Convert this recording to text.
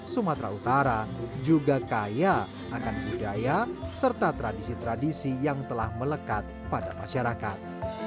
sumatera utara juga kaya akan budaya serta tradisi tradisi yang telah melekat pada masyarakat